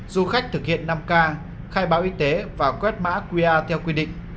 du khách thực hiện năm k khai báo y tế và quét mã qr theo quy định